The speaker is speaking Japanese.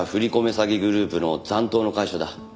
詐欺グループの残党の会社だ。